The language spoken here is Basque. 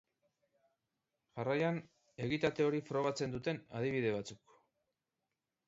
Jarraian, egitate hori frogatzen duten adibide batzuk.